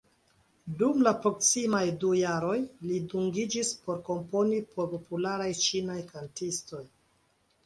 Dum la proksimaj du jaroj, li dungiĝis por komponi por popularaj ĉinaj kantistoj.